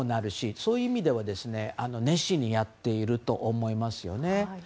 そういう意味では熱心にやっていると思いますね。